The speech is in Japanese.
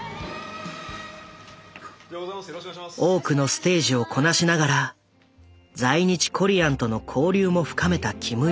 多くのステージをこなしながら在日コリアンとの交流も深めたキム・ヨンジャ。